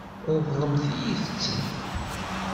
Ṛeḍlemt-iyi-tt-id.